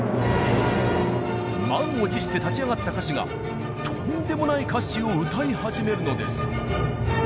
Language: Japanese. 満を持して立ち上がった歌手がとんでもない歌詞を歌い始めるのです。